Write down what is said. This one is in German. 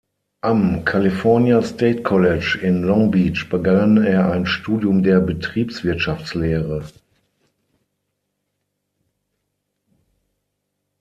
Am California State College in Long Beach begann er ein Studium der Betriebswirtschaftslehre.